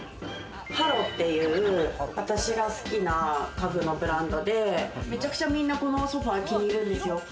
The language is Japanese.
ＨＡＬＯっていう、私が好きな家具のブランドで、めちゃくちゃみんなこのソファ気に入るんですよ。